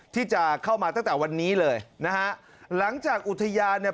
ที่จะเข้ามาตั้งแต่วันนี้เลยนะฮะหลังจากอุทยานเนี่ย